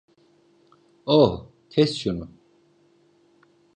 Oh, kes şunu.